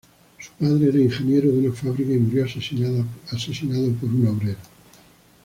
Su padre era ingeniero de una fábrica y murió asesinado por un obrero.